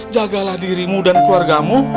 jagalah dirimu dan keluargamu